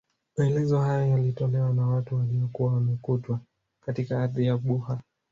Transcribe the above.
Maelezo hayo yalitolewa na watu waliokuwa wamekutwa katika ardhi ya Buha